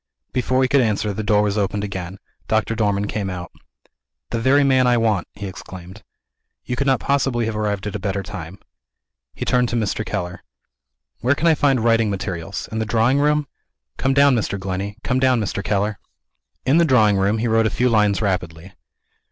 Before he could answer, the door was opened again. Doctor Dormann came out. "The very man I want!" he exclaimed. "You could not possibly have arrived at a better time." He turned to Mr. Keller. "Where can I find writing materials? In the drawing room? Come down, Mr. Glenney. Come down, Mr. Keller." In the drawing room, he wrote a few lines rapidly.